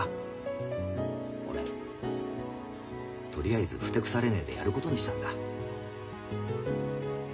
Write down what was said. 俺とりあえずふてくされねえでやることにしたんだ。